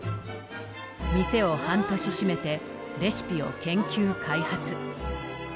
店を半年閉めてレシピを研究開発。